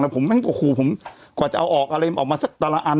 แล้วผมแม่งตกขู่ผมกว่าจะเอาออกอะไรออกมาสักตลาดอัน